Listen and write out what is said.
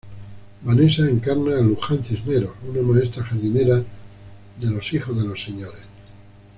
Vanesa encarna a Luján Cisneros, una maestra jardinera de los hijos de los "Sres.